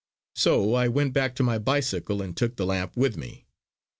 So I went back to my bicycle and took the lamp with me.